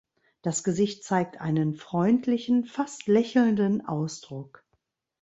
Das Gesicht zeigt einen freundlichen, fast lächelnden Ausdruck.